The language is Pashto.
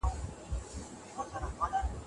آیا پوهان د ټولنیز رفتار وړاندوينه کولای سي؟